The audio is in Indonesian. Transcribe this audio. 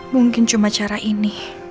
mungkin cuma cara ini